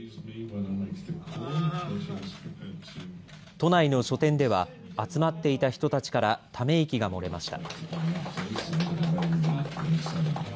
都内の書店では集まっていた人たちからため息がもれました。